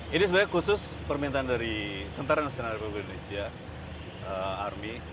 jadi sebenarnya khusus permintaan dari tni army